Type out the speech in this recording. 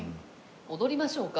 踊りましょうか？